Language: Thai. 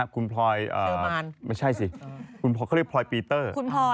คุณพลอยไม่ใช่สิเขาเรียกพลอยพีเตอร์